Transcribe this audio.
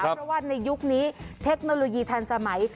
เพราะว่าในยุคนี้เทคโนโลยีทันสมัย